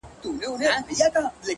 ها د فلسفې خاوند ها شتمن شاعر وايي _